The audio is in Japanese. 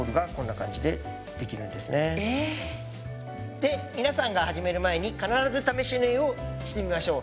で皆さんが始める前に必ず試し縫いをしてみましょう。